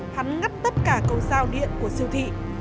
hắn ngắt tất cả cầu giao điện của siêu thị